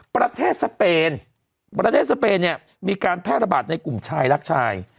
ประเทศสเปนประเทศสเปนเนี่ยมีการแพร่ระบาดในกลุ่มชายรักชาย